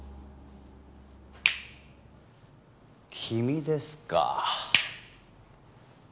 君ですか。